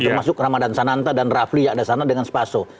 termasuk ramadan sananta dan rafli yang ada sana dengan spaso